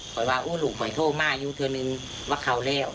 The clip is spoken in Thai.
ขอบคุณลูกขอโทษมากอยู่เธอนึงว่าเขาแล้ว